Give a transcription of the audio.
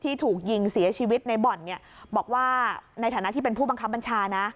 ถูกยิงเสียชีวิตในบ่อนเนี่ยบอกว่าในฐานะที่เป็นผู้บังคับบัญชานะ